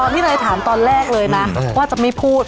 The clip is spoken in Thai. ที่เนยถามตอนแรกเลยนะว่าจะไม่พูด